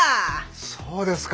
そうですか。